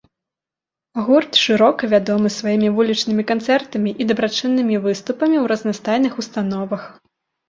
Гурт шырока вядомы сваімі вулічнымі канцэртамі і дабрачыннымі выступамі ў разнастайных установах.